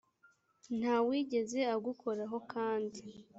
nta wigeze agukoraho kandi